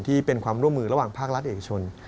ที่เป็นความร่วมมือระหว่างภาครัฐเอกชน